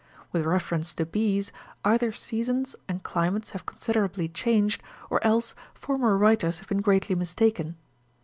With reference to bees, either seasons and climates have considerably changed, or else former writers have been greatly mistaken.